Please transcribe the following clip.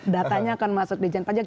datanya akan masuk dijen pajak